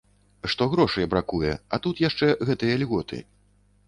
Што грошай бракуе, а тут яшчэ гэтыя льготы.